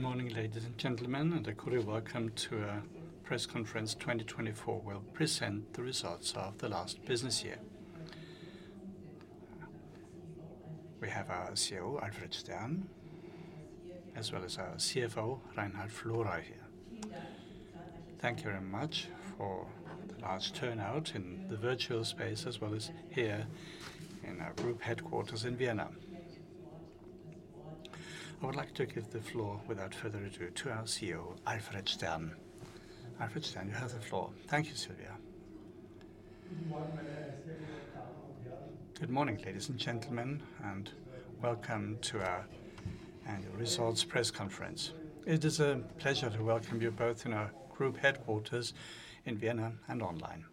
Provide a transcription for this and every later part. Good morning, ladies and gentlemen. We're delighted to welcome you to the press conference 2024. We'll present the results of the last business year. We have our CEO, Alfred Stern, as well as our CFO, Reinhard Florey, here. Thank you very much for the large turnout in the virtual space, as well as here in our group headquarters in Vienna. I would like to give the floor, without further ado, to our CEO, Alfred Stern. Alfred Stern, you have the floor. Thank you, Sylvia. Good morning, ladies and gentlemen, and welcome to our annual results press conference. It is a pleasure to welcome you both in our group headquarters in Vienna and online.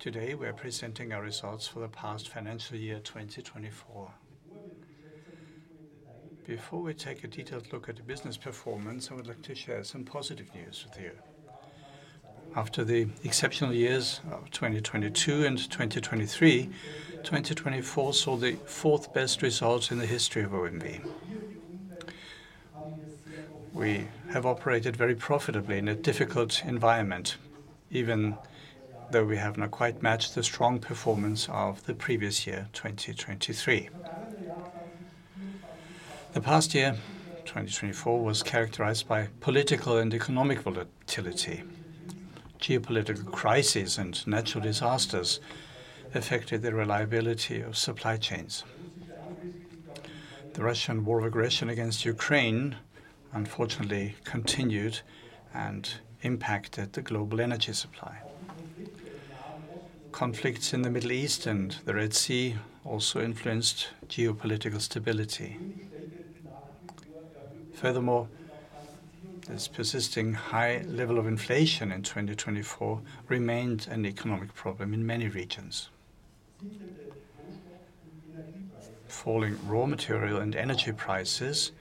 Today, we are presenting our results for the past financial year 2024. Before we take a detailed look at the business performance, I would like to share some positive news with you. After the exceptional years of 2022 and 2023, 2024 saw the fourth-best results in the history of OMV. We have operated very profitably in a difficult environment, even though we have not quite matched the strong performance of the previous year, 2023. The past year, 2024, was characterized by political and economic volatility. Geopolitical crises and natural disasters affected the reliability of supply chains. The Russian war of aggression against Ukraine, unfortunately, continued and impacted the global energy supply. Conflicts in the Middle East and the Red Sea also influenced geopolitical stability. Furthermore, this persisting high level of inflation in 2024 remained an economic problem in many regions. Falling raw material and energy prices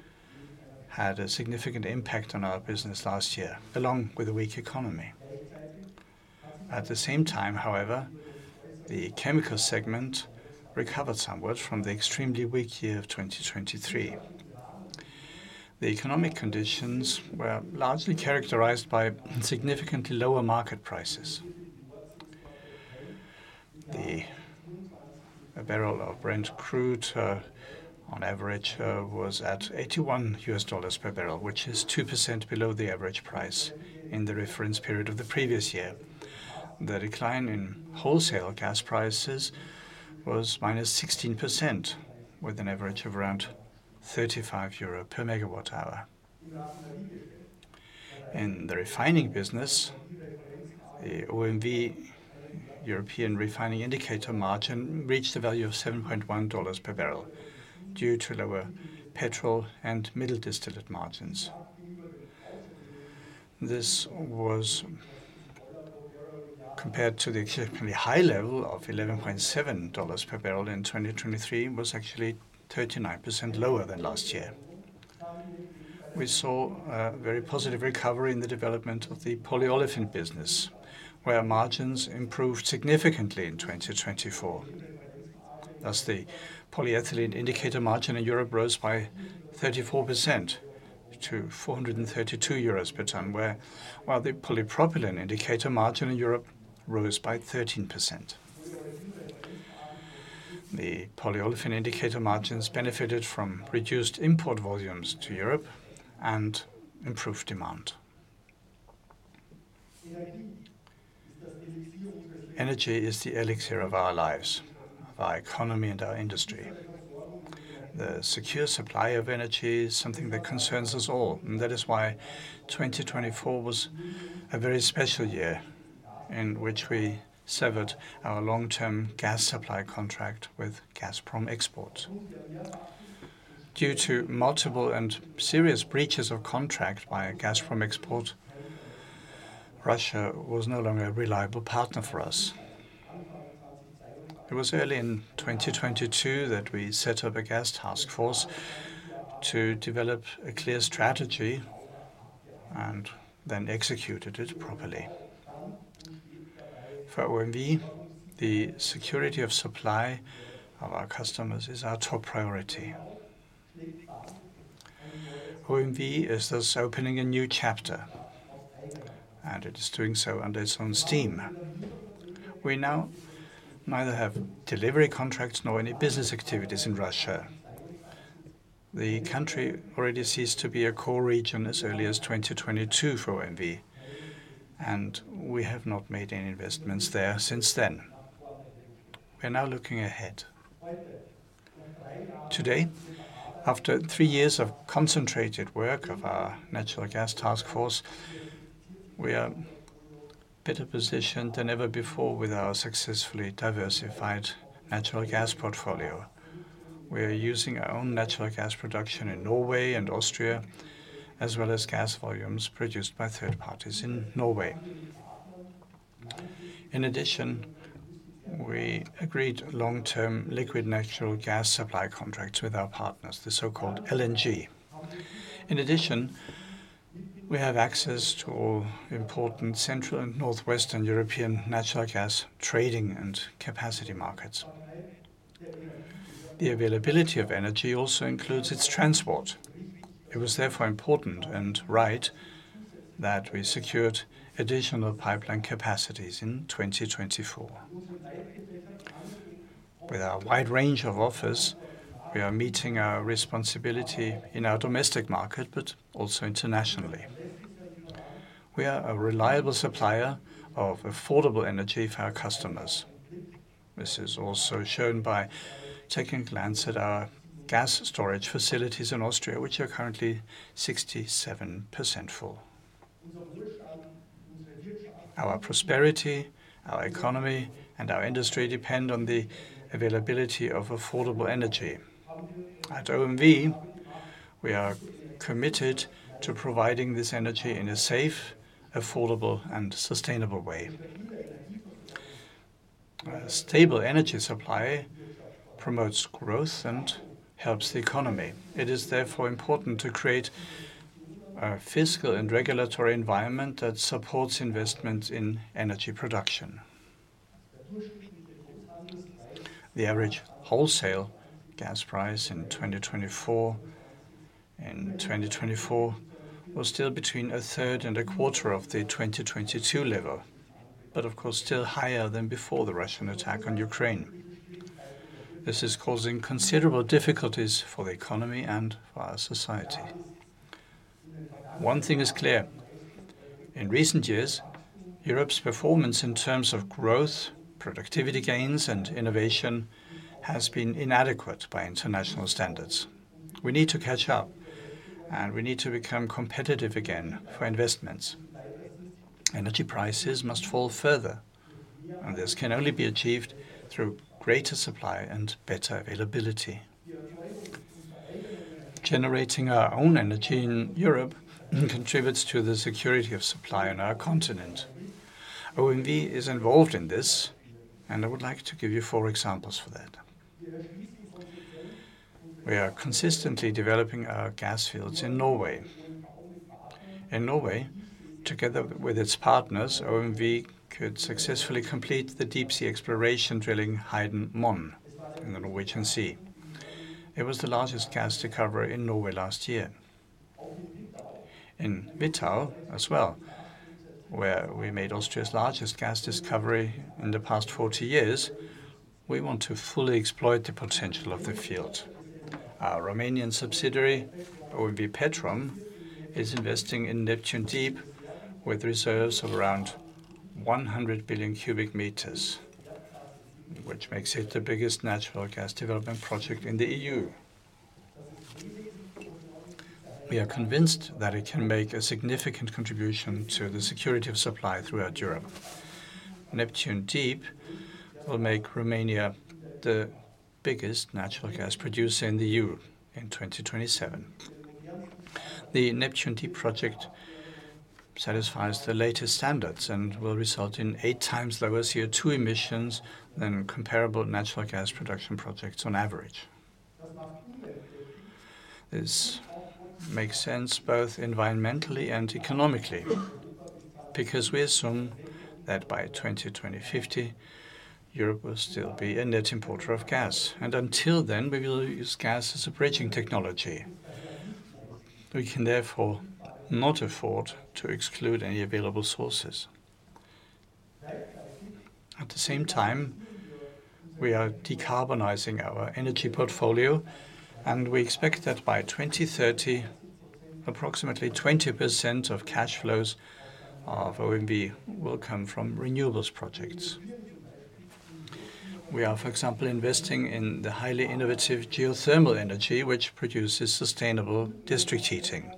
had a significant impact on our business last year, along with a weak economy. At the same time, however, the chemical segment recovered somewhat from the extremely weak year of 2023. The economic conditions were largely characterized by significantly lower market prices. The barrel of Brent crude, on average, was at $81 per barrel, which is 2% below the average price in the reference period of the previous year. The decline in wholesale gas prices was minus 16%, with an average of around 35 euro per megawatt hour. In the refining business, the OMV European Refining Indicator margin reached a value of $7.1 per barrel due to lower petrol and middle distillate margins. This was compared to the exceptionally high level of $11.7 per barrel in 2023, which was actually 39% lower than last year. We saw a very positive recovery in the development of the polyolefin business, where margins improved significantly in 2024. Thus, the polyethylene indicator margin in Europe rose by 34% to 432 euros per ton, while the polypropylene indicator margin in Europe rose by 13%. The polyolefin indicator margins benefited from reduced import volumes to Europe and improved demand. Energy is the elixir of our lives, of our economy and our industry. The secure supply of energy is something that concerns us all. That is why 2024 was a very special year in which we severed our long-term gas supply contract with Gazprom Export. Due to multiple and serious breaches of contract by Gazprom Export, Russia was no longer a reliable partner for us. It was early in 2022 that we set up a gas task force to develop a clear strategy and then executed it properly. For OMV, the security of supply of our customers is our top priority. OMV is thus opening a new chapter, and it is doing so under its own steam. We now neither have delivery contracts nor any business activities in Russia. The country already ceased to be a core region as early as 2022 for OMV, and we have not made any investments there since then. We are now looking ahead. Today, after three years of concentrated work of our natural gas task force, we are better positioned than ever before with our successfully diversified natural gas portfolio. We are using our own natural gas production in Norway and Austria, as well as gas volumes produced by third parties in Norway. In addition, we agreed long-term Liquefied Natural Gas supply contracts with our partners, the so-called LNG. In addition, we have access to all important central and northwestern European natural gas trading and capacity markets. The availability of energy also includes its transport. It was therefore important and right that we secured additional pipeline capacities in 2024. With our wide range of offers, we are meeting our responsibility in our domestic market, but also internationally. We are a reliable supplier of affordable energy for our customers. This is also shown by taking a glance at our gas storage facilities in Austria, which are currently 67% full. Our prosperity, our economy, and our industry depend on the availability of affordable energy. At OMV, we are committed to providing this energy in a safe, affordable, and sustainable way. Stable energy supply promotes growth and helps the economy. It is therefore important to create a fiscal and regulatory environment that supports investment in energy production. The average wholesale gas price in 2024 was still between a third and a quarter of the 2022 level, but of course still higher than before the Russian attack on Ukraine. This is causing considerable difficulties for the economy and for our society. One thing is clear. In recent years, Europe's performance in terms of growth, productivity gains, and innovation has been inadequate by international standards. We need to catch up, and we need to become competitive again for investments. Energy prices must fall further, and this can only be achieved through greater supply and better availability. Generating our own energy in Europe contributes to the security of supply on our continent. OMV is involved in this, and I would like to give you four examples for that. We are consistently developing our gas fields in Norway. In Norway, together with its partners, OMV could successfully complete the deep-sea exploration drilling Haydn in the Norwegian Sea. It was the largest gas discovery in Norway last year. In Wittau as well, where we made Austria's largest gas discovery in the past 40 years, we want to fully exploit the potential of the field. Our Romanian subsidiary, OMV Petrom, is investing in Neptun Deep with reserves of around 100 billion cubic meters, which makes it the biggest natural gas development project in the EU. We are convinced that it can make a significant contribution to the security of supply throughout Europe. Neptun Deep will make Romania the biggest natural gas producer in the EU in 2027. The Neptun Deep project satisfies the latest standards and will result in eight times lower CO2 emissions than comparable natural gas production projects on average. This makes sense both environmentally and economically because we assume that by 2050, Europe will still be a net importer of gas, and until then, we will use gas as a bridging technology. We can therefore not afford to exclude any available sources. At the same time, we are decarbonizing our energy portfolio, and we expect that by 2030, approximately 20% of cash flows of OMV will come from renewables projects. We are, for example, investing in the highly innovative geothermal energy, which produces sustainable district heating,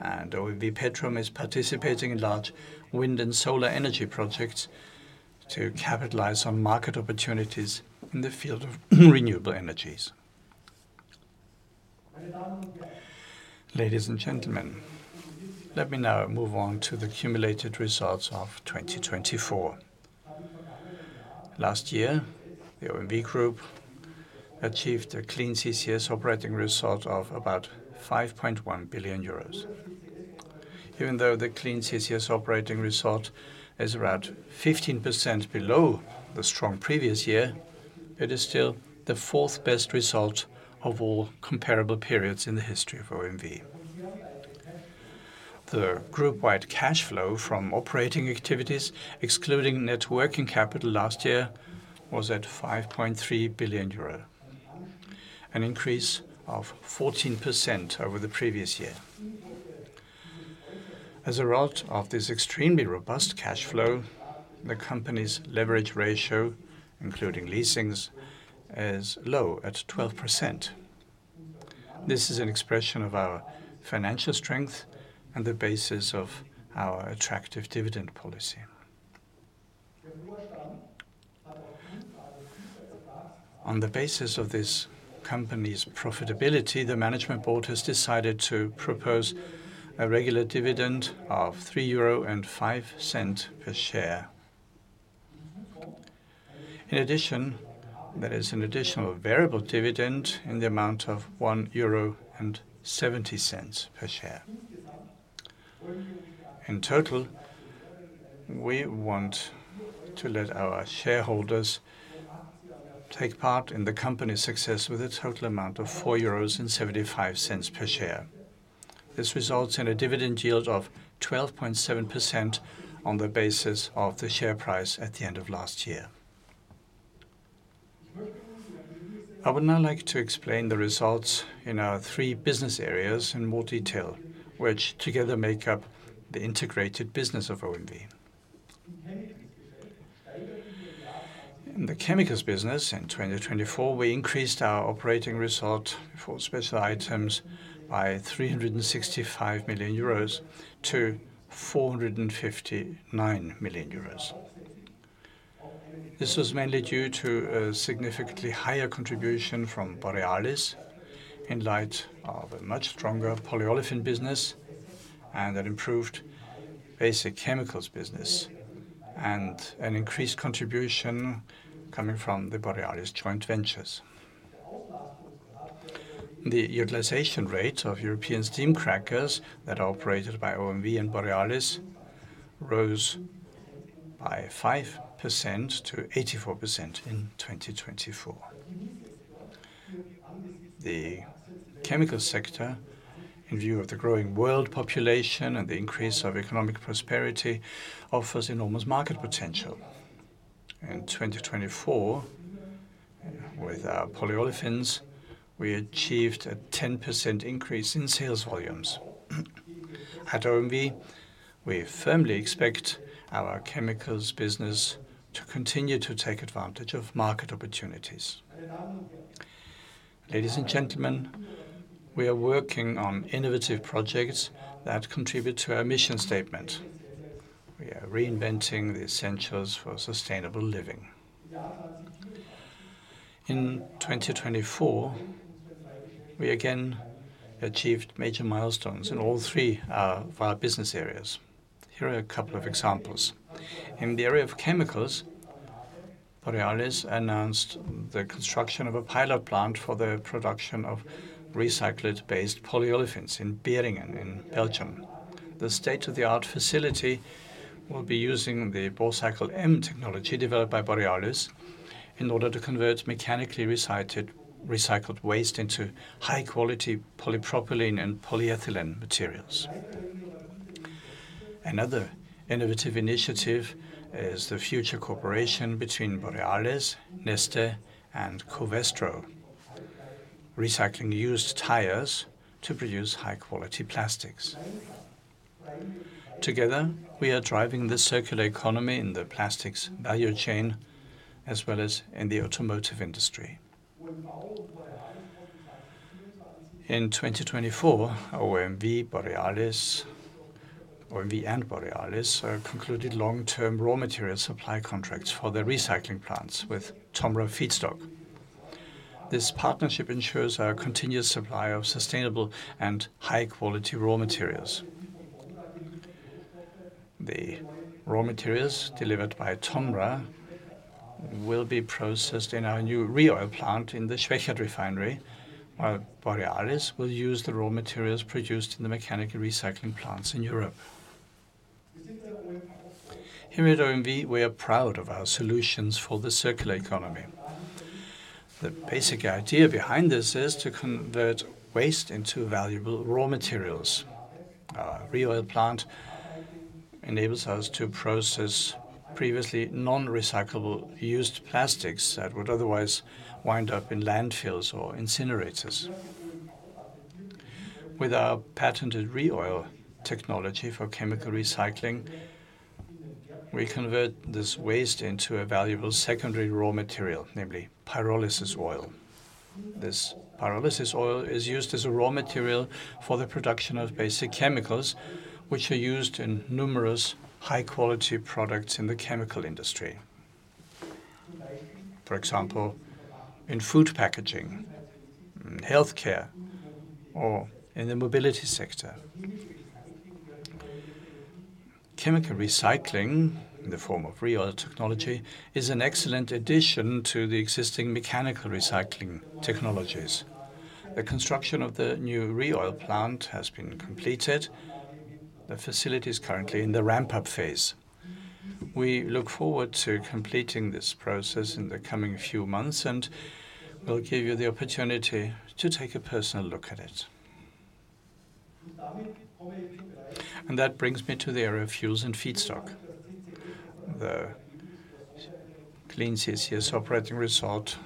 and OMV Petrom is participating in large wind and solar energy projects to capitalize on market opportunities in the field of renewable energies. Ladies and gentlemen, let me now move on to the cumulated results of 2024. Last year, the OMV Group achieved a clean CCS operating result of about 5.1 billion euros. Even though the clean CCS operating result is around 15% below the strong previous year, it is still the fourth-best result of all comparable periods in the history of OMV. The group-wide cash flow from operating activities, excluding net working capital last year, was at 5.3 billion euro, an increase of 14% over the previous year. As a result of this extremely robust cash flow, the company's leverage ratio, including leasing, is low at 12%. This is an expression of our financial strength and the basis of our attractive dividend policy. On the basis of this company's profitability, the management board has decided to propose a regular dividend of 3.05 euro per share. In addition, there is an additional variable dividend in the amount of 1.70 euro per share. In total, we want to let our shareholders take part in the company's success with a total amount of 4.75 euros per share. This results in a dividend yield of 12.7% on the basis of the share price at the end of last year. I would now like to explain the results in our three business areas in more detail, which together make up the integrated business of OMV. In the chemicals business in 2024, we increased our operating result for special items by 365 million euros to 459 million euros. This was mainly due to a significantly higher contribution from Borealis in light of a much stronger polyolefin business and an improved basic chemicals business, and an increased contribution coming from the Borealis joint ventures. The utilization rate of European steam crackers that are operated by OMV and Borealis rose by 5% to 84% in 2024. The chemical sector, in view of the growing world population and the increase of economic prosperity, offers enormous market potential. In 2024, with our polyolefins, we achieved a 10% increase in sales volumes. At OMV, we firmly expect our chemicals business to continue to take advantage of market opportunities. Ladies and gentlemen, we are working on innovative projects that contribute to our mission statement. We are reinventing the essentials for sustainable living. In 2024, we again achieved major milestones in all three of our business areas. Here are a couple of examples. In the area of chemicals, Borealis announced the construction of a pilot plant for the production of recycled-based polyolefins in Beringen, in Belgium. The state-of-the-art facility will be using the Borcycle M technology developed by Borealis in order to convert mechanically recycled waste into high-quality polypropylene and polyethylene materials. Another innovative initiative is the future cooperation between Borealis, Neste, and Covestro, recycling used tires to produce high-quality plastics. Together, we are driving the circular economy in the plastics value chain, as well as in the automotive industry. In 2024, OMV and Borealis have concluded long-term raw material supply contracts for their recycling plants with TOMRA Feedstock. This partnership ensures a continuous supply of sustainable and high-quality raw materials. The raw materials delivered by TOMRA will be processed in our new ReOil plant in the Schwechat refinery, while Borealis will use the raw materials produced in the mechanical recycling plants in Europe. Here at OMV, we are proud of our solutions for the circular economy. The basic idea behind this is to convert waste into valuable raw materials. Our ReOil plant enables us to process previously non-recyclable used plastics that would otherwise wind up in landfills or incinerators. With our patented ReOil technology for chemical recycling, we convert this waste into a valuable secondary raw material, namely pyrolysis oil. This pyrolysis oil is used as a raw material for the production of basic chemicals, which are used in numerous high-quality products in the chemical industry. For example, in food packaging, healthcare, or in the mobility sector. Chemical recycling in the form of ReOil technology is an excellent addition to the existing mechanical recycling technologies. The construction of the new ReOil plant has been completed. The facility is currently in the ramp-up phase. We look forward to completing this process in the coming few months, and we'll give you the opportunity to take a personal look at it, and that brings me to the area of fuels and feedstock. The Clean CCS operating result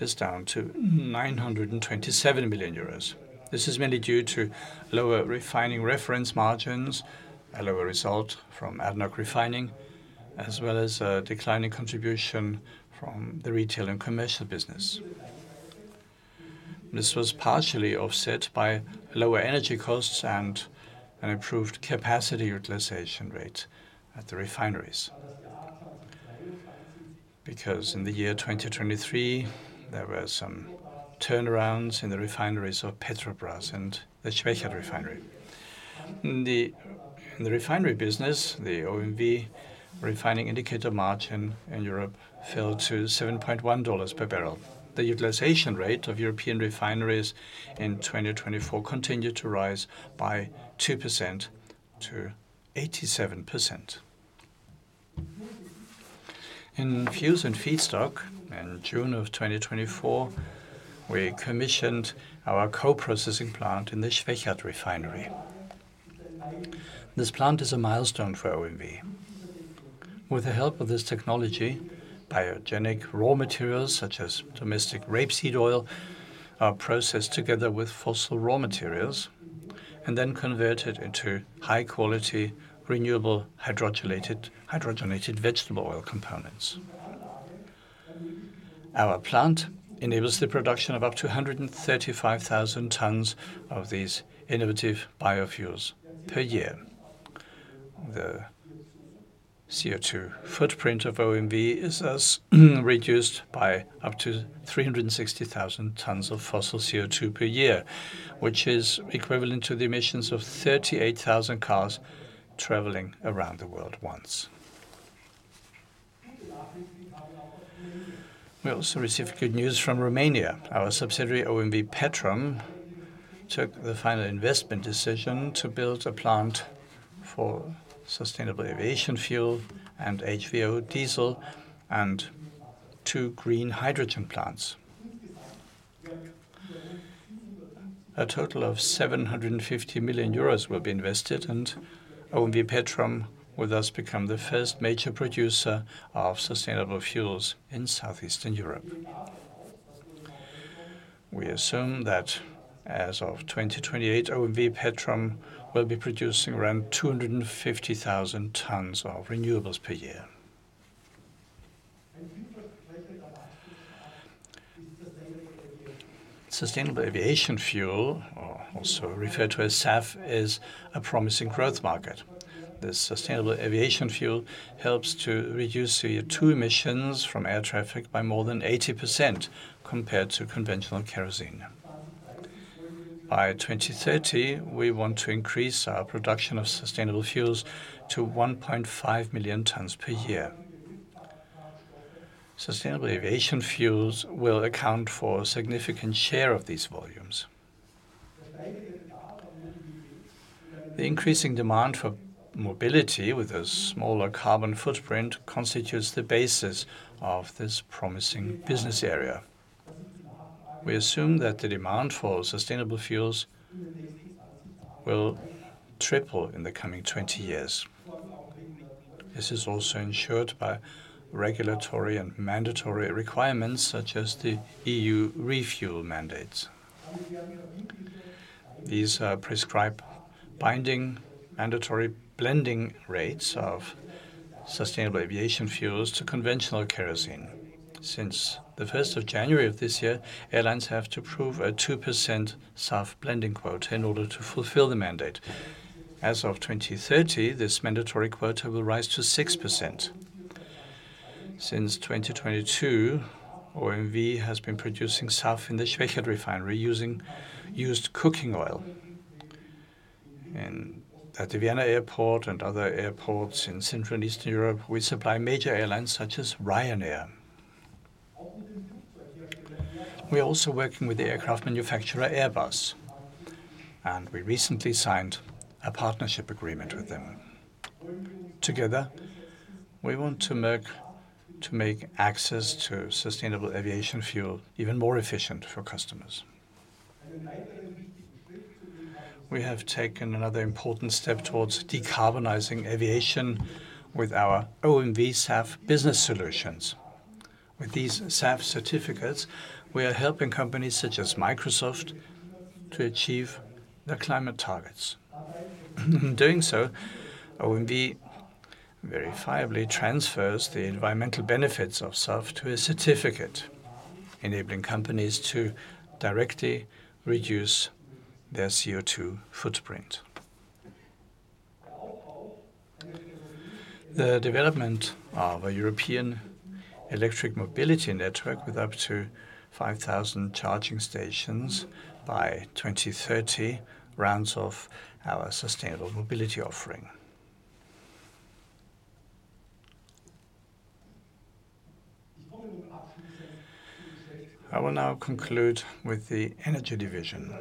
is down to 927 million euros. This is mainly due to lower refining reference margins, a lower result from ADNOC refining, as well as a declining contribution from the retail and commercial business. This was partially offset by lower energy costs and an improved capacity utilization rate at the refineries. Because in the year 2023, there were some turnarounds in the refineries of Petrobrazi and the Schwechat refinery. In the refinery business, the OMV refining indicator margin in Europe fell to $7.1 per barrel. The utilization rate of European refineries in 2024 continued to rise by 2% to 87%. In fuels and feedstock, in June of 2024, we commissioned our co-processing plant in the Schwechat refinery. This plant is a milestone for OMV. With the help of this technology, biogenic raw materials such as domestic rapeseed oil are processed together with fossil raw materials and then converted into high-quality renewable hydrogenated vegetable oil components. Our plant enables the production of up to 135,000 tons of these innovative biofuels per year. The CO2 footprint of OMV is thus reduced by up to 360,000 tons of fossil CO2 per year, which is equivalent to the emissions of 38,000 cars traveling around the world once. We also received good news from Romania. Our subsidiary, OMV Petrom, took the final investment decision to build a plant for sustainable aviation fuel and HVO diesel and two green hydrogen plants. A total of 750 million euros will be invested, and OMV Petrom will thus become the first major producer of sustainable fuels in southeastern Europe. We assume that as of 2028, OMV Petrom will be producing around 250,000 tons of renewables per year. Sustainable Aviation Fuel, also referred to as SAF, is a promising growth market. This sustainable aviation fuel helps to reduce CO2 emissions from air traffic by more than 80% compared to conventional kerosene. By 2030, we want to increase our production of sustainable fuels to 1.5 million tons per year. Sustainable aviation fuels will account for a significant share of these volumes. The increasing demand for mobility with a smaller carbon footprint constitutes the basis of this promising business area. We assume that the demand for sustainable fuels will triple in the coming 20 years. This is also ensured by regulatory and mandatory requirements such as the EU refuel mandates. These are prescribed binding mandatory blending rates of sustainable aviation fuels to conventional kerosene. Since the 1st of January of this year, airlines have to prove a 2% SAF blending quota in order to fulfill the mandate. As of 2030, this mandatory quota will rise to 6%. Since 2022, OMV has been producing SAF in the Schwechat refinery using used cooking oil. At the Vienna Airport and other airports in central and eastern Europe, we supply major airlines such as Ryanair. We are also working with the aircraft manufacturer Airbus, and we recently signed a partnership agreement with them. Together, we want to make access to sustainable aviation fuel even more efficient for customers. We have taken another important step towards decarbonizing aviation with our OMV SAF Business Solutions. With these SAF certificates, we are helping companies such as Microsoft to achieve their climate targets. In doing so, OMV verifiably transfers the environmental benefits of SAF to a certificate, enabling companies to directly reduce their CO2 footprint. The development of a European electric mobility network with up to 5,000 charging stations by 2030 rounds off our sustainable mobility offering. I will now conclude with the energy division.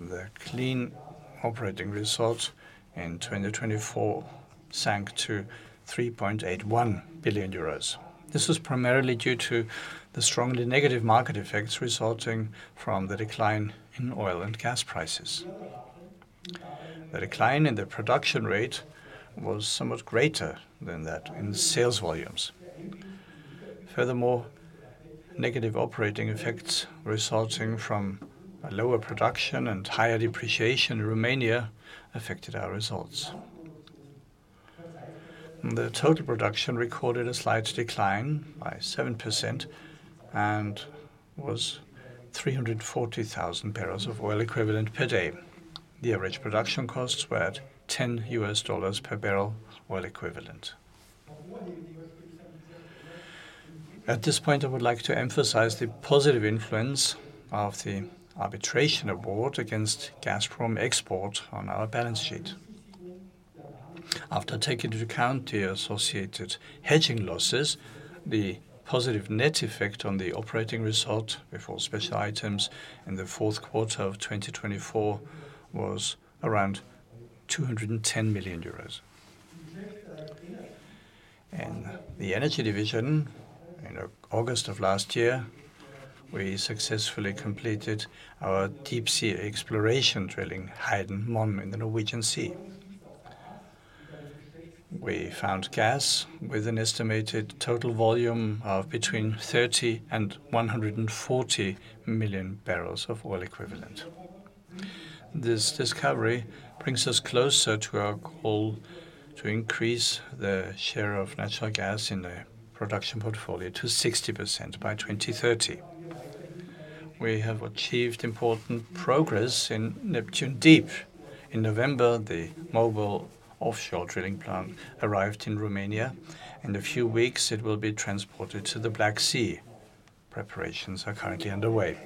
The clean operating result in 2024 sank to 3.81 billion euros. This was primarily due to the strongly negative market effects resulting from the decline in oil and gas prices. The decline in the production rate was somewhat greater than that in sales volumes. Furthermore, negative operating effects resulting from lower production and higher depreciation in Romania affected our results. The total production recorded a slight decline by 7% and was 340,000 barrels of oil equivalent per day. The average production costs were at $10 per barrel of oil equivalent. At this point, I would like to emphasize the positive influence of the arbitration award against Gazprom Export on our balance sheet. After taking into account the associated hedging losses, the positive net effect on the operating result before special items in the Q4 of 2024 was around EUR 210 million. In the energy division, in August of last year, we successfully completed our deep-sea exploration drilling Haydn in the Norwegian Sea. We found gas with an estimated total volume of between 30 and 140 million barrels of oil equivalent. This discovery brings us closer to our goal to increase the share of natural gas in the production portfolio to 60% by 2030. We have achieved important progress in Neptun Deep. In November, the mobile offshore drilling plant arrived in Romania. In a few weeks, it will be transported to the Black Sea. Preparations are currently underway.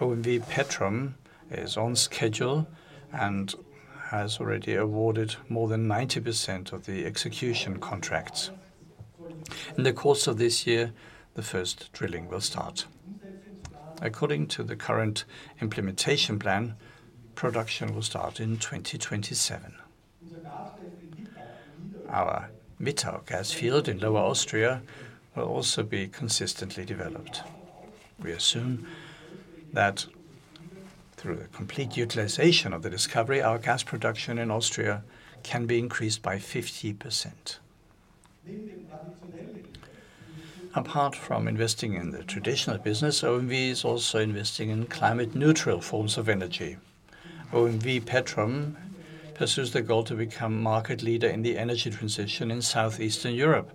OMV Petrom is on schedule and has already awarded more than 90% of the execution contracts. In the course of this year, the first drilling will start. According to the current implementation plan, production will start in 2027. Our Wittau gas field in Lower Austria will also be consistently developed. We assume that through the complete utilization of the discovery, our gas production in Austria can be increased by 50%. Apart from investing in the traditional business, OMV is also investing in climate-neutral forms of energy. OMV Petrom pursues the goal to become a market leader in the energy transition in southeastern Europe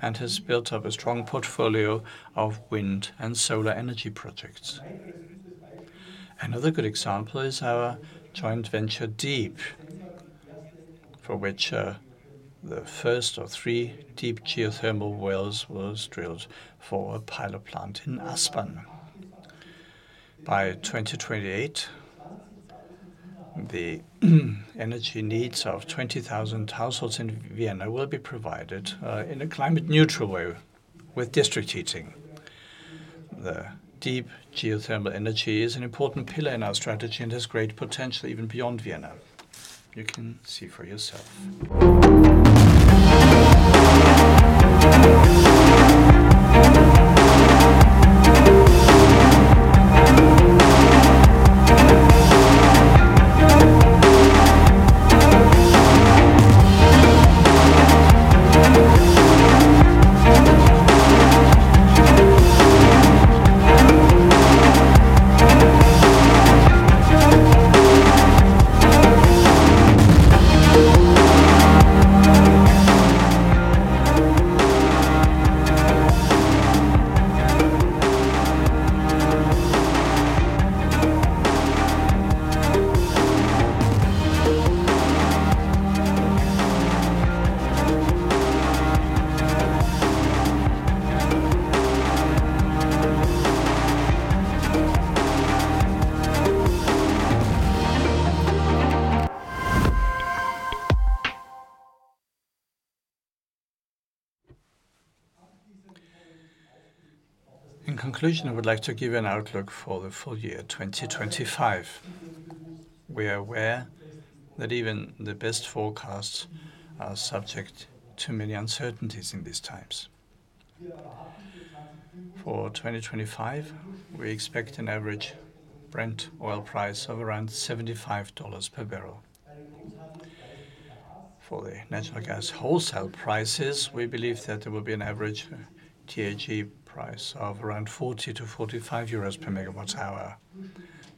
and has built up a strong portfolio of wind and solar energy projects. Another good example is our joint venture deep, for which the first of three deep geothermal wells was drilled for a pilot plant in Aspern. By 2028, the energy needs of 20,000 households in Vienna will be provided in a climate-neutral way with district heating. The deep geothermal energy is an important pillar in our strategy and has great potential even beyond Vienna. You can see for yourself. In conclusion, I would like to give you an outlook for the full year 2025. We are aware that even the best forecasts are subject to many uncertainties in these times. For 2025, we expect an average Brent oil price of around $75 per barrel. For the natural gas wholesale prices, we believe that there will be an average THE price of around 40-45 euros per megawatt hour.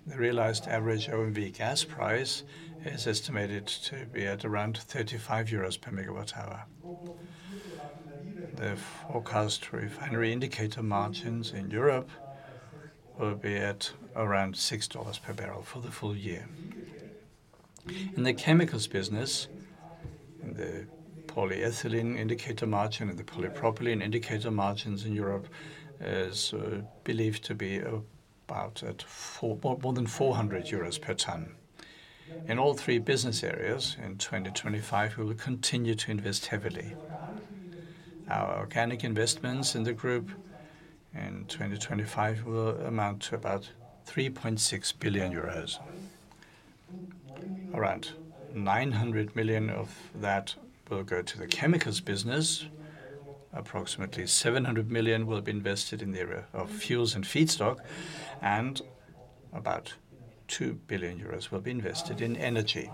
The realized average OMV gas price is estimated to be at around 35 euros per megawatt hour. The forecast refinery indicator margins in Europe will be at around $6 per barrel for the full year. In the chemicals business, the polyethylene indicator margin and the polypropylene indicator margins in Europe are believed to be about more than 400 euros per ton. In all three business areas, in 2025, we will continue to invest heavily. Our organic investments in the group in 2025 will amount to about 3.6 billion euros. Around 900 million of that will go to the chemicals business, approximately 700 million will be invested in the area of fuels and feedstock, and about 2 billion euros will be invested in energy.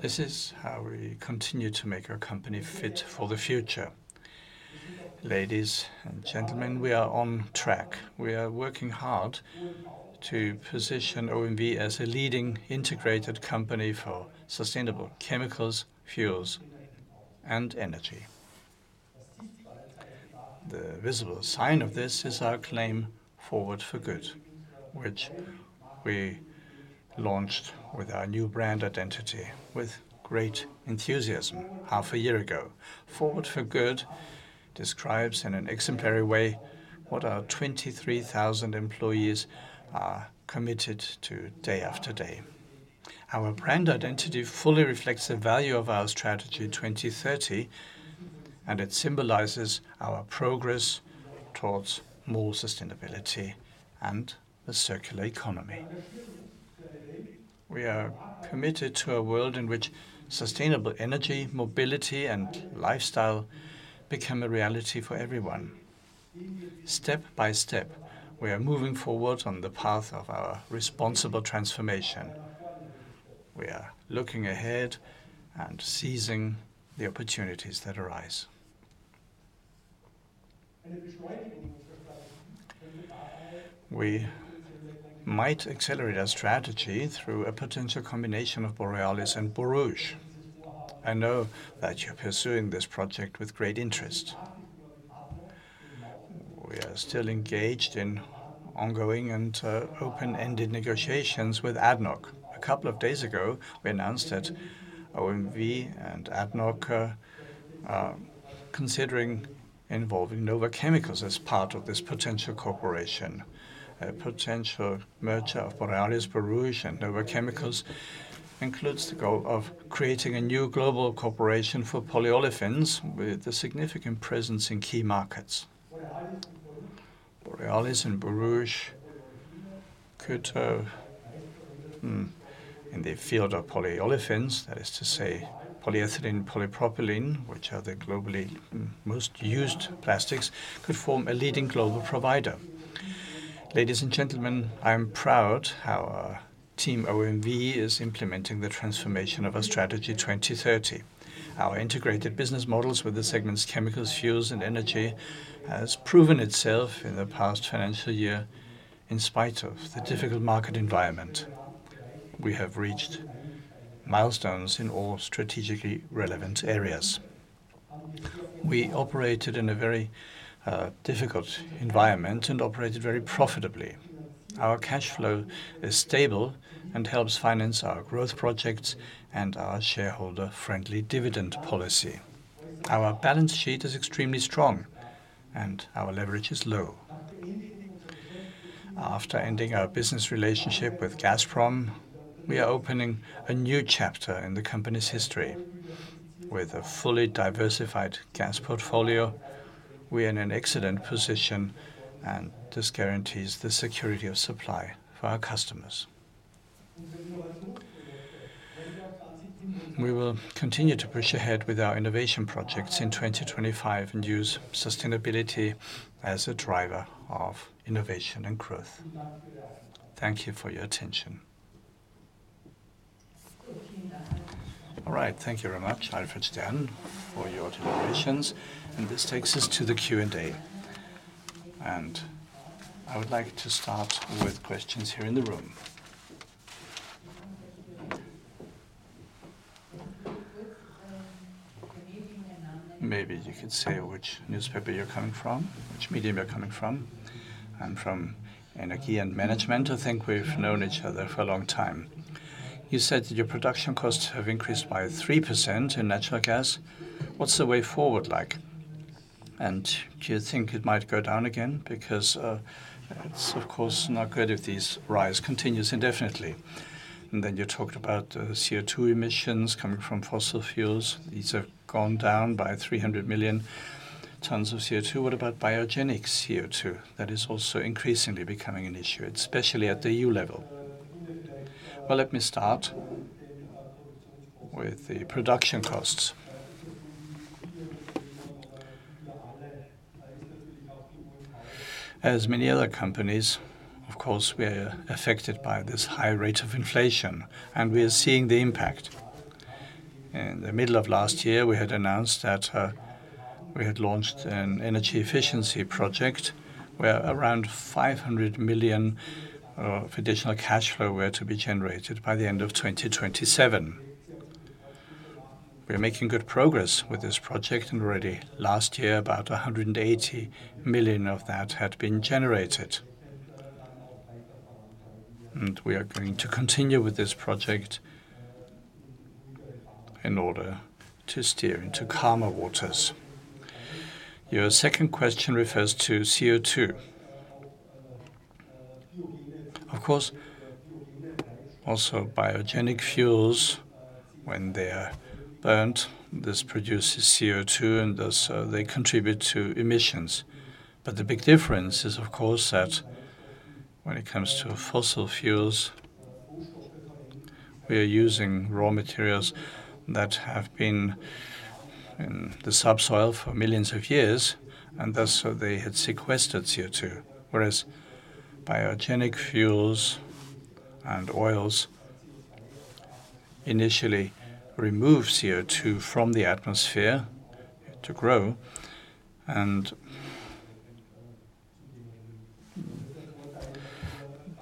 This is how we continue to make our company fit for the future. Ladies and gentlemen, we are on track. We are working hard to position OMV as a leading integrated company for sustainable chemicals, fuels, and energy. The visible sign of this is our claim, Forward for Good, which we launched with our new brand identity with great enthusiasm half a year ago. Forward for Good describes in an exemplary way what our 23,000 employees are committed to day after day. Our brand identity fully reflects the value of our strategy 2030, and it symbolizes our progress towards more sustainability and a circular economy. We are committed to a world in which sustainable energy, mobility, and lifestyle become a reality for everyone. Step by step, we are moving forward on the path of our responsible transformation. We are looking ahead and seizing the opportunities that arise. We might accelerate our strategy through a potential combination of Borealis and Borouge. I know that you're pursuing this project with great interest. We are still engaged in ongoing and open-ended negotiations with ADNOC. A couple of days ago, we announced that OMV and ADNOC are considering involving Nova Chemicals as part of this potential corporation. A potential merger of Borealis, Borouge, and Nova Chemicals includes the goal of creating a new global corporation for polyolefins with a significant presence in key markets. Borealis and Borouge could, in the field of polyolefins, that is to say polyethylene and polypropylene, which are the globally most used plastics, could form a leading global provider. Ladies and gentlemen, I am proud how our team OMV is implementing the transformation of our strategy 2030. Our integrated business models with the segments chemicals, fuels, and energy have proven itself in the past financial year in spite of the difficult market environment. We have reached milestones in all strategically relevant areas. We operated in a very difficult environment and operated very profitably. Our cash flow is stable and helps finance our growth projects and our shareholder-friendly dividend policy. Our balance sheet is extremely strong, and our leverage is low. After ending our business relationship with Gazprom, we are opening a new chapter in the company's history. With a fully diversified gas portfolio, we are in an excellent position, and this guarantees the security of supply for our customers. We will continue to push ahead with our innovation projects in 2025 and use sustainability as a driver of innovation and growth. Thank you for your attention. All right, thank you very much, Alfred Stern, for your deliberations, and this takes us to the Q&A, and I would like to start with questions here in the room. Maybe you could say which newspaper you're coming from, which medium you're coming from. I'm from Energie & Management. I think we've known each other for a long time. You said that your production costs have increased by 3% in natural gas. What's the way forward like, and do you think it might go down again? Because it's, of course, not good if these rise continues indefinitely. Then you talked about the CO2 emissions coming from fossil fuels. These have gone down by 300 million tons of CO2. What about biogenic CO2? That is also increasingly becoming an issue, especially at the EU level. Well, let me start with the production costs. As many other companies, of course, we are affected by this high rate of inflation, and we are seeing the impact. In the middle of last year, we had announced that we had launched an energy efficiency project where around 500 million of additional cash flow were to be generated by the end of 2027. We are making good progress with this project, and already last year, about 180 million of that had been generated. And we are going to continue with this project in order to steer into calmer waters. Your second question refers to CO2. Of course, also biogenic fuels, when they are burned, this produces CO2, and thus they contribute to emissions. But the big difference is, of course, that when it comes to fossil fuels, we are using raw materials that have been in the subsoil for millions of years, and thus they had sequestered CO2. Whereas biogenic fuels and oils initially remove CO2 from the atmosphere to grow, and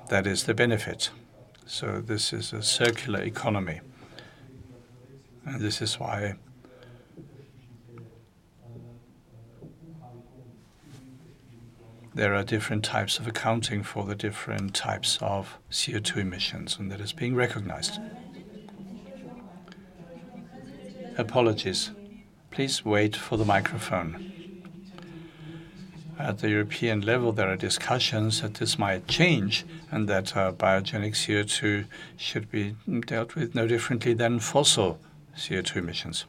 that is the benefit, so this is a circular economy, and this is why there are different types of accounting for the different types of CO2 emissions, and that is being recognized. Apologies. Please wait for the microphone. At the European level, there are discussions that this might change and that biogenic CO2 should be dealt with no differently than fossil CO2 emissions,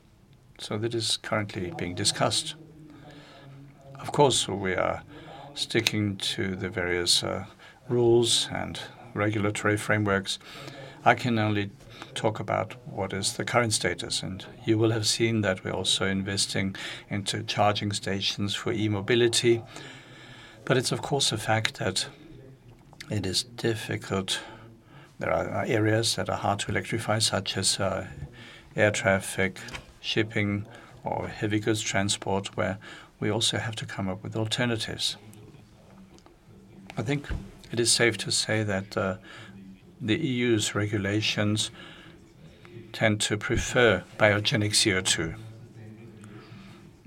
so that is currently being discussed. Of course, we are sticking to the various rules and regulatory frameworks. I can only talk about what is the current status, and you will have seen that we are also investing into charging stations for e-mobility. But it's, of course, a fact that it is difficult. There are areas that are hard to electrify, such as air traffic, shipping, or heavy goods transport, where we also have to come up with alternatives. I think it is safe to say that the EU's regulations tend to prefer biogenic CO2.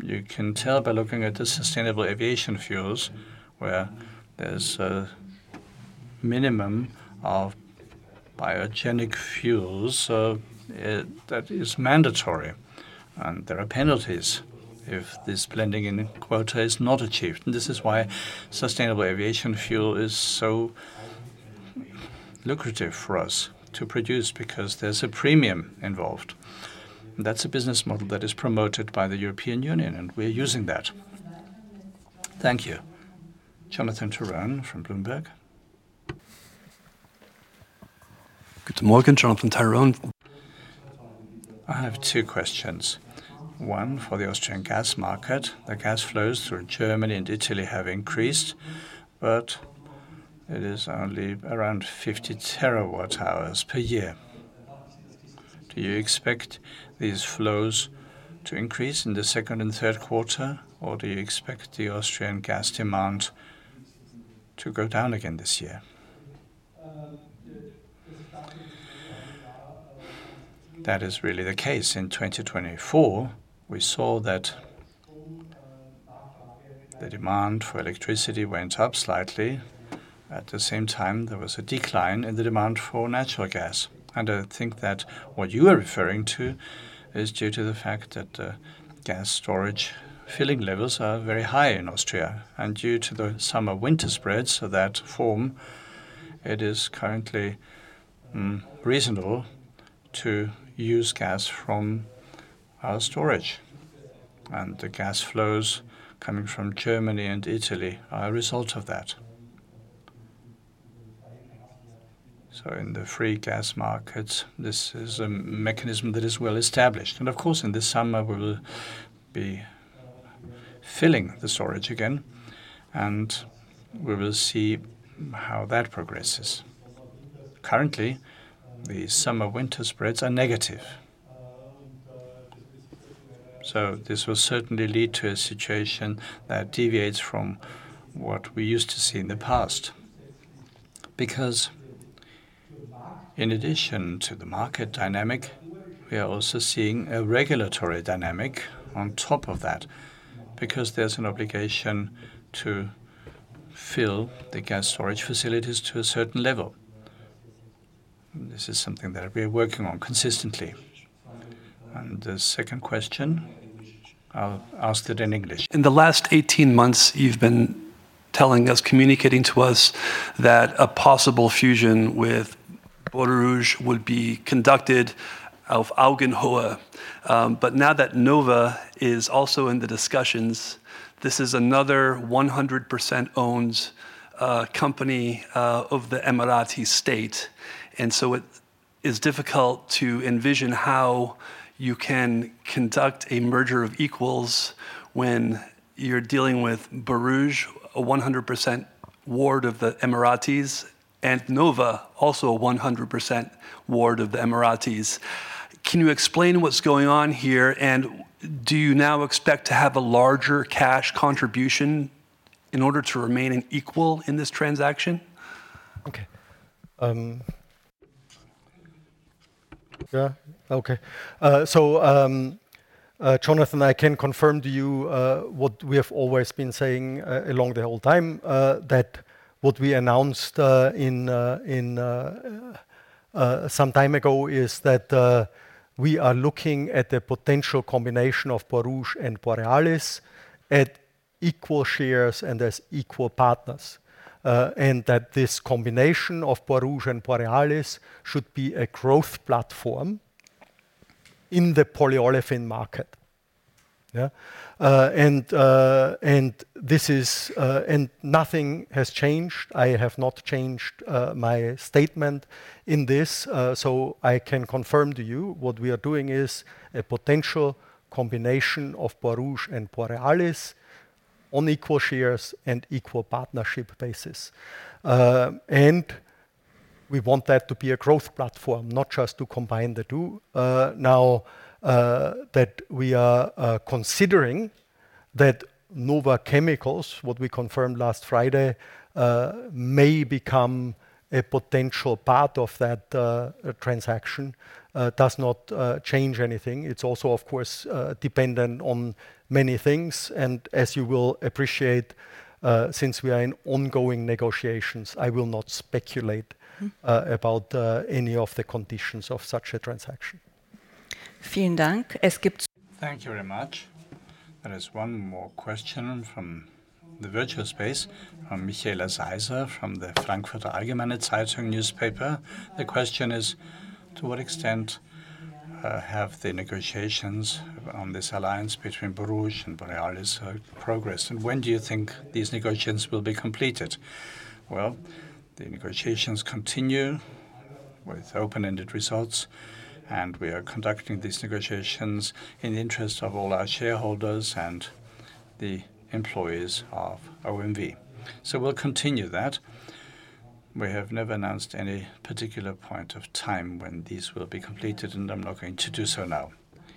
You can tell by looking at the sustainable aviation fuels, where there's a minimum of biogenic fuels that is mandatory, and there are penalties if this blending in quota is not achieved, and this is why sustainable aviation fuel is so lucrative for us to produce, because there's a premium involved, and that's a business model that is promoted by the European Union, and we're using that. Thank you. Jonathan Tyce from Bloomberg. Good morning, Jonathan Tyce. I have two questions. One, for the Austrian gas market, the gas flows through Germany and Italy have increased, but it is only around 50 terawatt hours per year. Do you expect these flows to increase in the second and third quarter, or do you expect the Austrian gas demand to go down again this year? That is really the case. In 2024, we saw that the demand for electricity went up slightly. At the same time, there was a decline in the demand for natural gas, and I think that what you are referring to is due to the fact that the gas storage filling levels are very high in Austria, and due to the summer-winter spreads that form, it is currently reasonable to use gas from our storage, and the gas flows coming from Germany and Italy are a result of that. So in the free gas markets, this is a mechanism that is well established. And of course, in this summer, we will be filling the storage again, and we will see how that progresses. Currently, the summer-winter spreads are negative. So this will certainly lead to a situation that deviates from what we used to see in the past. Because in addition to the market dynamic, we are also seeing a regulatory dynamic on top of that, because there's an obligation to fill the gas storage facilities to a certain level. This is something that we are working on consistently. And the second question, I'll ask it in English. In the last 18 months, you've been telling us, communicating to us that a possible fusion with Borouge would be conducted auf Augenhöhe. But now that Nova is also in the discussions, this is another 100%-owned company of the Emirati state. And so it is difficult to envision how you can conduct a merger of equals when you're dealing with Borouge, a 100% ward of the Emiratis, and Nova, also a 100% ward of the Emiratis. Can you explain what's going on here, and do you now expect to have a larger cash contribution in order to remain an equal in this transaction? Okay. Yeah, okay. So Jonathan, I can confirm to you what we have always been saying along the whole time, that what we announced some time ago is that we are looking at the potential combination of Borouge and Borealis at equal shares and as equal partners. And that this combination of Borouge and Borealis should be a growth platform in the polyolefin market. Yeah? And this is, and nothing has changed. I have not changed my statement in this. So I can confirm to you what we are doing is a potential combination of Borouge and Borealis on equal shares and equal partnership basis. And we want that to be a growth platform, not just to combine the two. Now that we are considering that Nova Chemicals, what we confirmed last Friday, may become a potential part of that transaction, does not change anything. It's also, of course, dependent on many things. And as you will appreciate, since we are in ongoing negotiations, I will not speculate about any of the conditions of such a transaction. Vielen Dank. Thank you very much. There is one more question from the virtual space from Michaela Seiser from the Frankfurter Allgemeine Zeitung newspaper. The question is, to what extent have the negotiations on this alliance between Borouge and Borealis progressed? And when do you think these negotiations will be completed? The negotiations continue with open-ended results, and we are conducting these negotiations in the interest of all our shareholders and the employees of OMV. So we'll continue that. We have never announced any particular point of time when these will be completed, and I'm not going to do so now.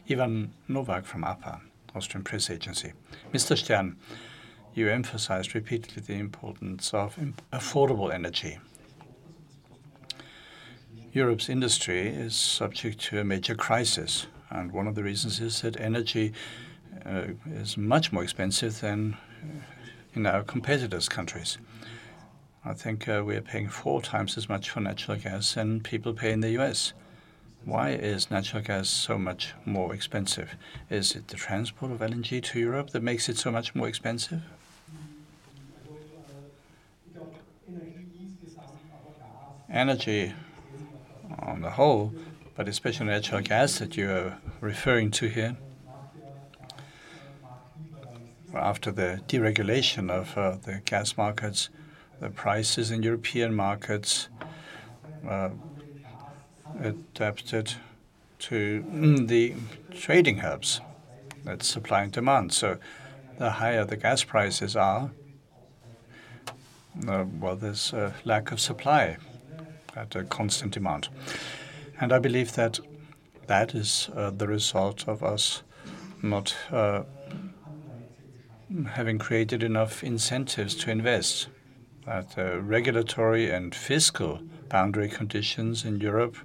Ivan Novak from APA, Austrian Press Agency. Mr. Stern, you emphasized repeatedly the importance of affordable energy. Europe's industry is subject to a major crisis, and one of the reasons is that energy is much more expensive than in our competitors' countries. I think we are paying four times as much for natural gas than people pay in the US Why is natural gas so much more expensive? Is it the transport of LNG to Europe that makes it so much more expensive? Energy on the whole, but especially natural gas that you are referring to here. After the deregulation of the gas markets, the prices in European markets adapted to the trading hubs that supply and demand. So the higher the gas prices are, well, there's a lack of supply at a constant amount. And I believe that that is the result of us not having created enough incentives to invest. That regulatory and fiscal boundary conditions in Europe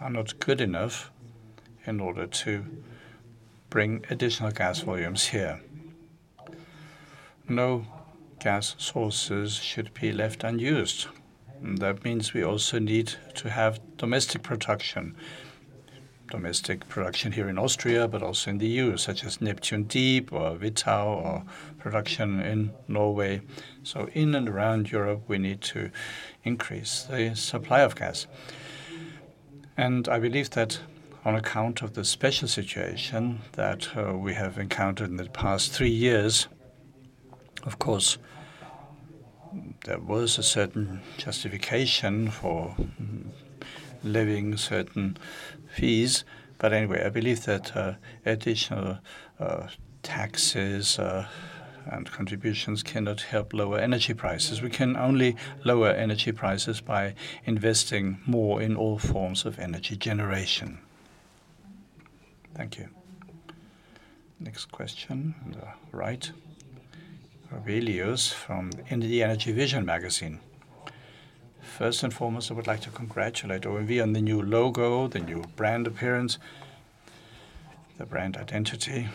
are not good enough in order to bring additional gas volumes here. No gas sources should be left unused. That means we also need to have domestic production. Domestic production here in Austria, but also in the EU, such as Neptun Deep or Wittau or production in Norway. So in and around Europe, we need to increase the supply of gas. And I believe that on account of the special situation that we have encountered in the past three years, of course, there was a certain justification for levying certain fees. But anyway, I believe that additional taxes and contributions cannot help lower energy prices. We can only lower energy prices by investing more in all forms of energy generation. Thank you. Next question on the right. Relios from Energy Vision Magazine. First and foremost, I would like to congratulate OMV on the new logo, the new brand appearance, the brand identity,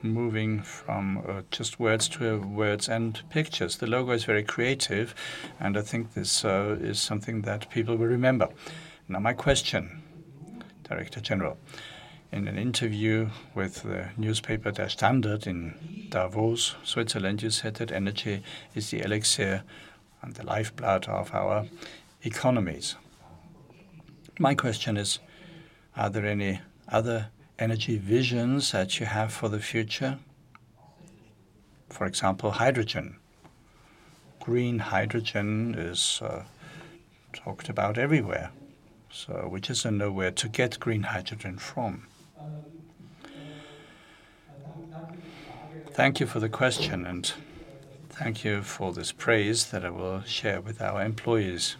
moving from just words to words and pictures. The logo is very creative, and I think this is something that people will remember. Now my question, Director General, in an interview with the newspaper Der Standard in Davos, Switzerland, you said that energy is the elixir and the lifeblood of our economies. My question is, are there any other energy visions that you have for the future? For example, hydrogen. Green hydrogen is talked about everywhere, so where is the know-how to get green hydrogen from? Thank you for the question, and thank you for this praise that I will share with our employees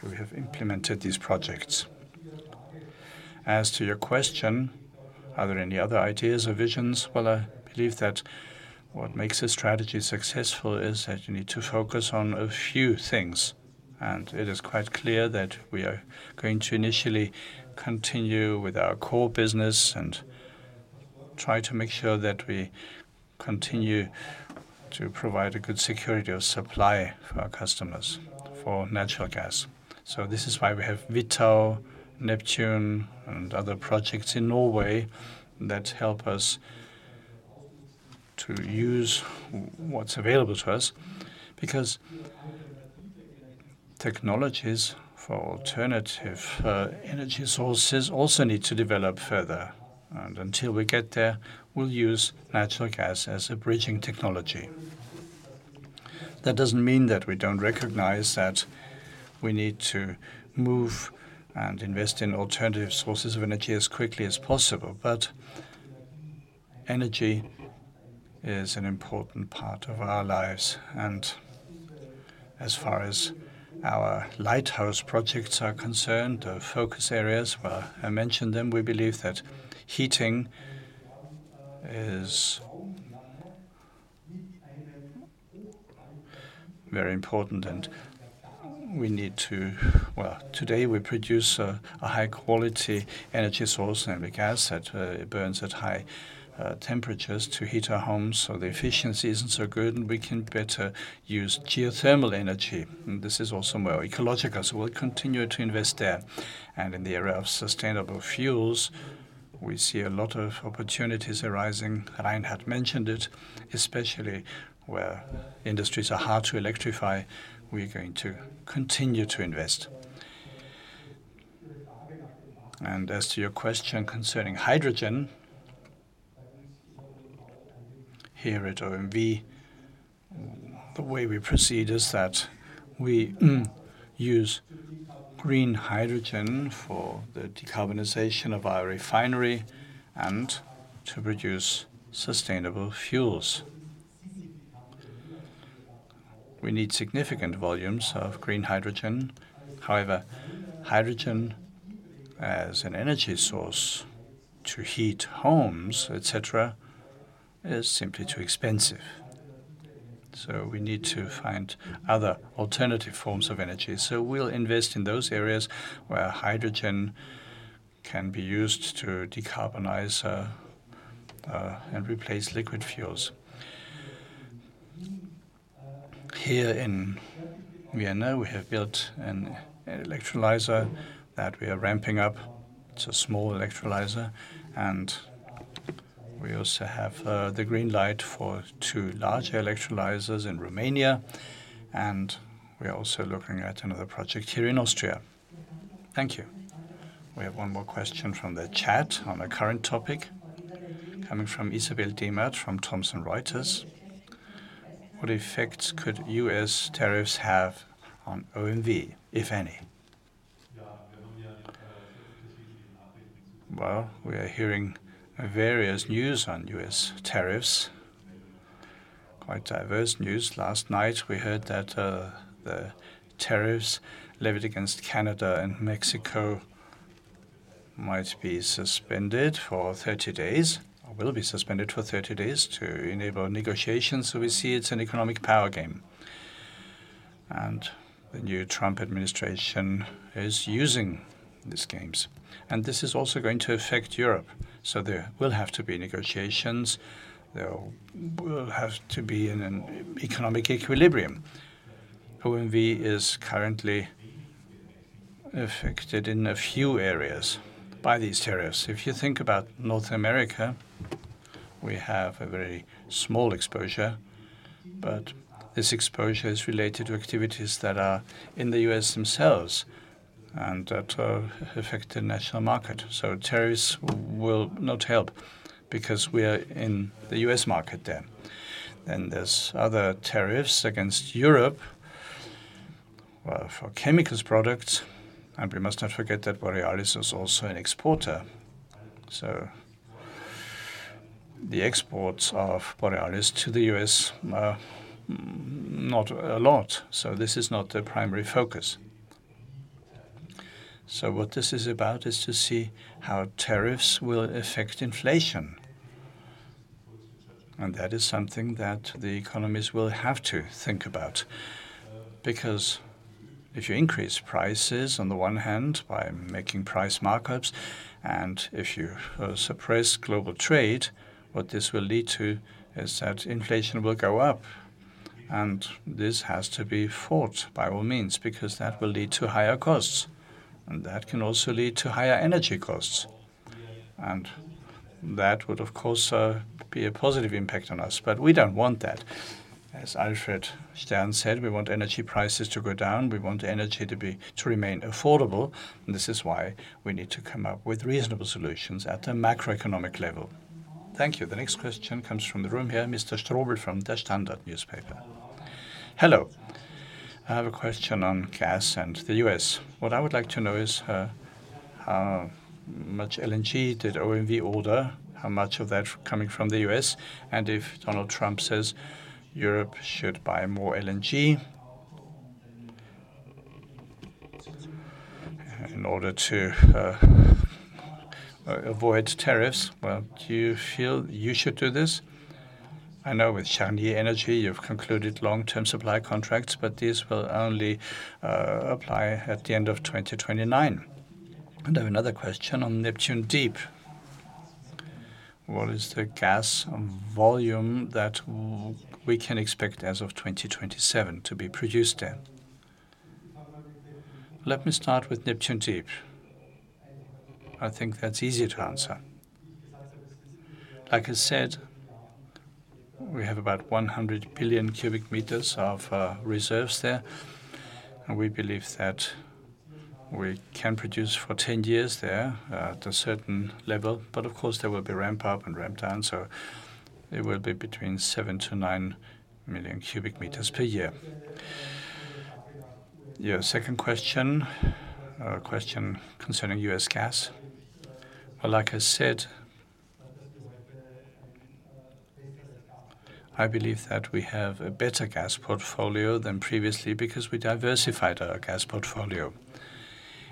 who have implemented these projects. As to your question, are there any other ideas or visions? Well, I believe that what makes a strategy successful is that you need to focus on a few things. And it is quite clear that we are going to initially continue with our core business and try to make sure that we continue to provide a good security of supply for our customers for natural gas. This is why we have Wittau, Neptun, and other projects in Norway that help us to use what's available to us, because technologies for alternative energy sources also need to develop further. And until we get there, we'll use natural gas as a bridging technology. That doesn't mean that we don't recognize that we need to move and invest in alternative sources of energy as quickly as possible. But energy is an important part of our lives. And as far as our lighthouse projects are concerned, the focus areas, well, I mentioned them. We believe that heating is very important. And we need to, well, today we produce a high-quality energy source and the gas that burns at high temperatures to heat our homes. So the efficiency isn't so good, and we can better use geothermal energy. This is also more ecological. So we'll continue to invest there. And in the area of sustainable fuels, we see a lot of opportunities arising. Reinhard mentioned it, especially where industries are hard to electrify. We're going to continue to invest. And as to your question concerning hydrogen, here at OMV, the way we proceed is that we use green hydrogen for the decarbonization of our refinery and to produce sustainable fuels. We need significant volumes of green hydrogen. However, hydrogen as an energy source to heat homes, etc., is simply too expensive. So we need to find other alternative forms of energy. So we'll invest in those areas where hydrogen can be used to decarbonize and replace liquid fuels. Here in Vienna, we have built an electrolyzer that we are ramping up. It's a small electrolyzer. And we also have the green light for two large electrolyzers in Romania. And we are also looking at another project here in Austria. Thank you. We have one more question from the chat on a current topic, coming from Isabel Demert from Thomson Reuters. What effects could US tariffs have on OMV, if any? Well, we are hearing various news on US tariffs, quite diverse news. Last night, we heard that the tariffs levied against Canada and Mexico might be suspended for 30 days, or will be suspended for 30 days to enable negotiations. So we see it's an economic power game. And the new Trump administration is using these games. And this is also going to affect Europe. So there will have to be negotiations. There will have to be an economic equilibrium. OMV is currently affected in a few areas by these tariffs. If you think about North America, we have a very small exposure. But this exposure is related to activities that are in the US themselves and that affect the national market. So tariffs will not help because we are in the US market there. Then there's other tariffs against Europe, well, for chemicals products. And we must not forget that Borealis is also an exporter. So the exports of Borealis to the US are not a lot. So this is not the primary focus. So what this is about is to see how tariffs will affect inflation. And that is something that the economies will have to think about. Because if you increase prices on the one hand by making price markups, and if you suppress global trade, what this will lead to is that inflation will go up. And this has to be fought by all means because that will lead to higher costs. And that can also lead to higher energy costs. And that would, of course, be a positive impact on us. But we don't want that. As Alfred Stern said, we want energy prices to go down. We want energy to remain affordable. And this is why we need to come up with reasonable solutions at the macroeconomic level. Thank you. The next question comes from the room here, Mr. Strobl from Der Standard newspaper. Hello. I have a question on gas and the US What I would like to know is how much LNG did OMV order, how much of that coming from the US, and if Donald Trump says Europe should buy more LNG in order to avoid tariffs. Well, do you feel you should do this? I know with Cheniere Energy, you've concluded long-term supply contracts, but these will only apply at the end of 2029. I have another question on Neptun Deep. What is the gas volume that we can expect as of 2027 to be produced there? Let me start with Neptun Deep. I think that's easy to answer. Like I said, we have about 100 billion cubic meters of reserves there. We believe that we can produce for 10 years there at a certain level. Of course, there will be ramp-up and ramp-down. It will be between 7 to 9 million cubic meters per year. Your second question, a question concerning US gas. Like I said, I believe that we have a better gas portfolio than previously because we diversified our gas portfolio.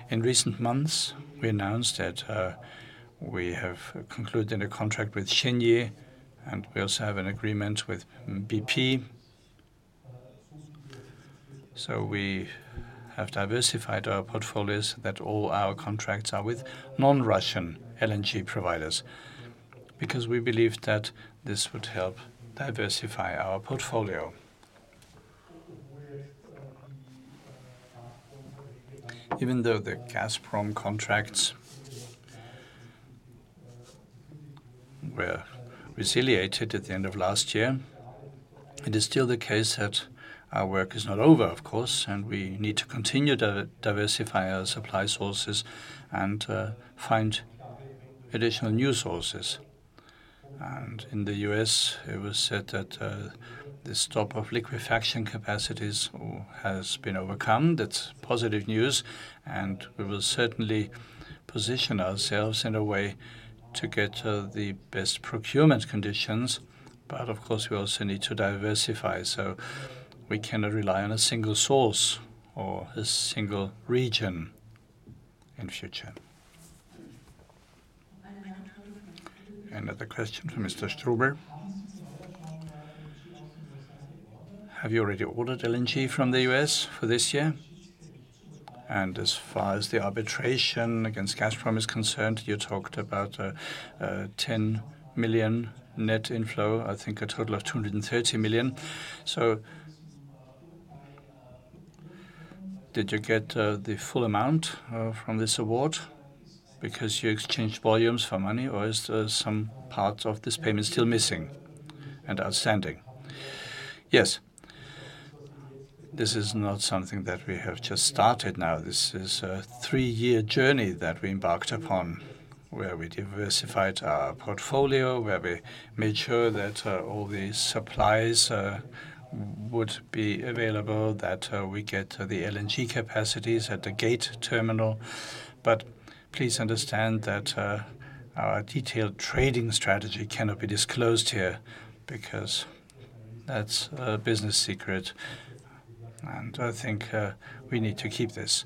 In recent months, we announced that we have concluded a contract with Cheniere, and we also have an agreement with BP. So we have diversified our portfolios that all our contracts are with non-Russian LNG providers because we believe that this would help diversify our portfolio. Even though the Gazprom contracts were resiliated at the end of last year, it is still the case that our work is not over, of course. And we need to continue to diversify our supply sources and find additional new sources. And in the US, it was said that the stop of liquefaction capacities has been overcome. That's positive news. And we will certainly position ourselves in a way to get the best procurement conditions. But of course, we also need to diversify. So we cannot rely on a single source or a single region in the future. Another question from Mr. Strobl. Have you already ordered LNG from the US for this year? And as far as the arbitration against Gazprom is concerned, you talked about 10 million net inflow, I think a total of 230 million. So did you get the full amount from this award? Because you exchanged volumes for money, or is there some part of this payment still missing and outstanding? Yes. This is not something that we have just started now. This is a three-year journey that we embarked upon, where we diversified our portfolio, where we made sure that all the supplies would be available, that we get the LNG capacities at the gate terminal. But please understand that our detailed trading strategy cannot be disclosed here because that's a business secret. And I think we need to keep this.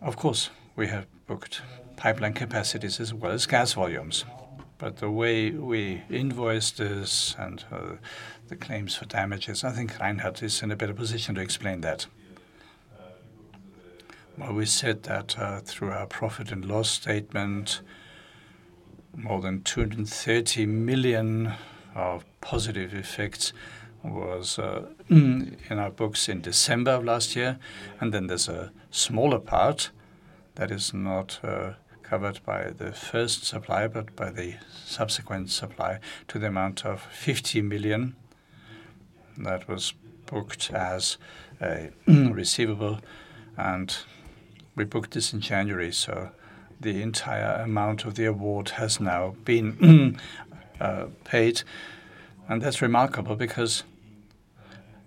Of course, we have booked pipeline capacities as well as gas volumes. But the way we invoice this and the claims for damages, I think Reinhard is in a better position to explain that, well, we said that through our profit and loss statement, more than 230 million of positive effects was in our books in December of last year. And then there's a smaller part that is not covered by the first supply, but by the subsequent supply to the amount of 50 million that was booked as a receivable. And we booked this in January. So the entire amount of the award has now been paid. And that's remarkable because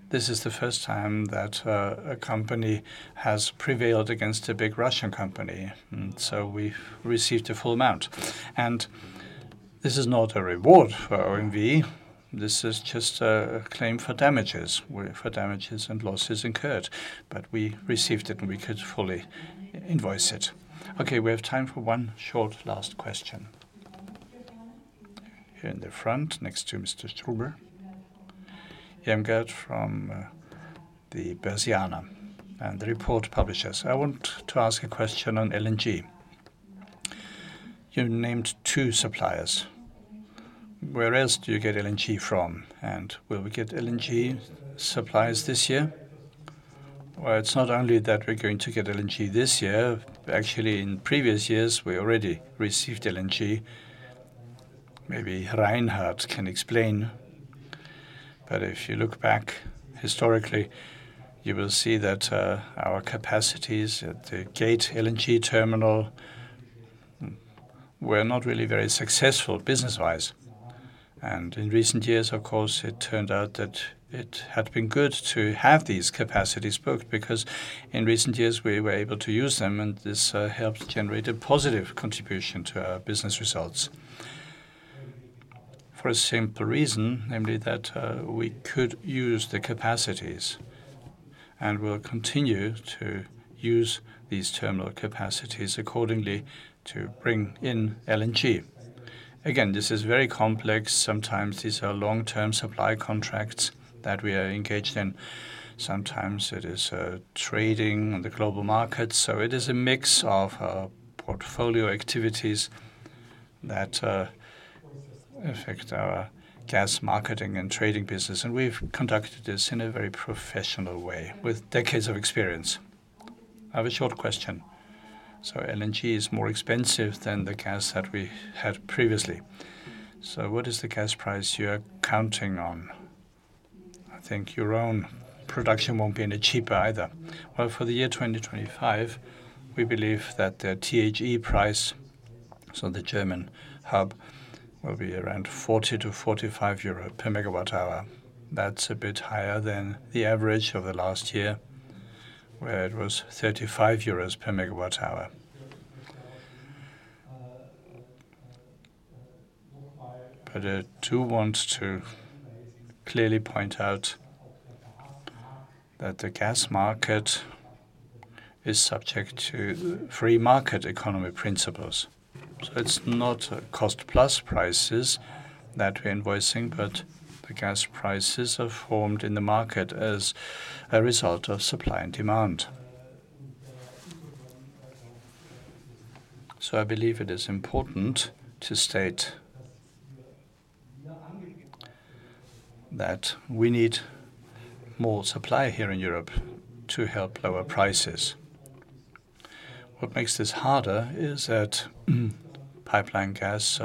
this is the first time that a company has prevailed against a big Russian company. And so we received a full amount. And this is not a reward for OMV. This is just a claim for damages and losses incurred. But we received it, and we could fully invoice it. Okay, we have time for one short last question. Here in the front, next to Mr. Strobl, Yamgert from the Börsianer, and the report publishers. I want to ask a question on LNG. You named two suppliers. Where else do you get LNG from? And will we get LNG supplies this year? Well, it's not only that we're going to get LNG this year. Actually, in previous years, we already received LNG. Maybe Reinhard can explain. But if you look back historically, you will see that our capacities at the Gate LNG terminal were not really very successful business-wise. And in recent years, of course, it turned out that it had been good to have these capacities booked because in recent years, we were able to use them. This helped generate a positive contribution to our business results for a simple reason, namely that we could use the capacities and will continue to use these terminal capacities accordingly to bring in LNG. Again, this is very complex. Sometimes these are long-term supply contracts that we are engaged in. Sometimes it is trading on the global markets. It is a mix of portfolio activities that affect our gas marketing and trading business. We've conducted this in a very professional way with decades of experience. I have a short question. LNG is more expensive than the gas that we had previously. What is the gas price you're counting on? I think your own production won't be any cheaper either. For the year 2025, we believe that the THE price, so the German hub, will be around 40-45 euro per megawatt hour. That's a bit higher than the average of the last year, where it was 35 euros per megawatt hour. But I do want to clearly point out that the gas market is subject to free market economy principles. So it's not cost-plus prices that we're invoicing, but the gas prices are formed in the market as a result of supply and demand. So I believe it is important to state that we need more supply here in Europe to help lower prices. What makes this harder is that pipeline gas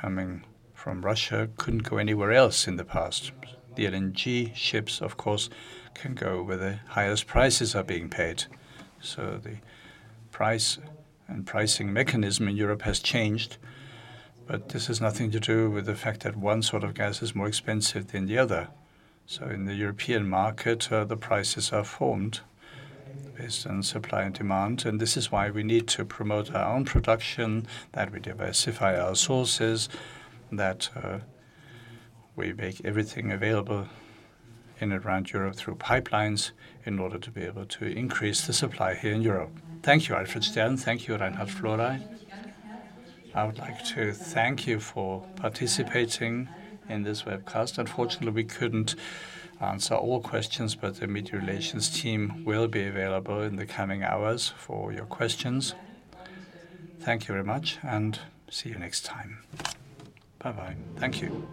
coming from Russia couldn't go anywhere else in the past. The LNG ships, of course, can go where the highest prices are being paid. So the price and pricing mechanism in Europe has changed. But this has nothing to do with the fact that one sort of gas is more expensive than the other. So in the European market, the prices are formed based on supply and demand. And this is why we need to promote our own production, that we diversify our sources, that we make everything available in and around Europe through pipelines in order to be able to increase the supply here in Europe. Thank you, Alfred Stern. Thank you, Reinhard Flore. I would like to thank you for participating in this webcast. Unfortunately, we couldn't answer all questions, but the media relations team will be available in the coming hours for your questions. Thank you very much, and see you next time. Bye-bye. Thank you.